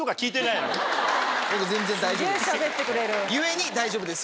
僕全然大丈夫です。